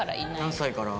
何歳から？